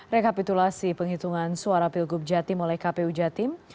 rekapitulasi penghitungan suara pilgub jatim oleh kpu jatim